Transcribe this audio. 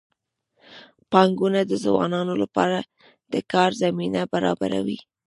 بانکونه د ځوانانو لپاره د کار زمینه برابروي.